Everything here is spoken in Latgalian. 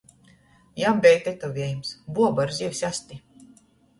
Jam beja teoviejums – buoba ar zivs asti.